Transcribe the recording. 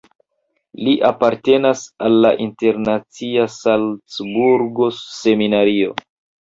Li apartenas al la internacia Salcburgo-Seminaro.